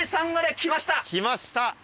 来ました。